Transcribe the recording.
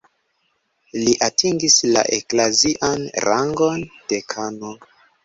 Li atingis la eklazian rangon dekano.